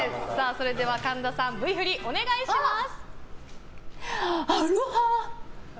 神田さん、Ｖ振りお願いします。